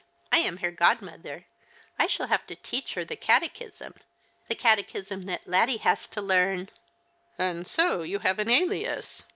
I am her godmother. I shall have to teach her the catechism — the catechism that Laddie has to learn." " And so you have an alias.